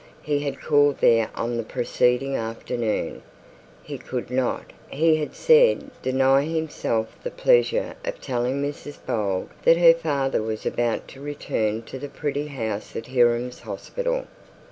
He had called there on the preceding afternoon. He could not, he had said, deny himself the pleasure of telling Mrs Bold that her father was about to return to the pretty house at Hiram's hospital.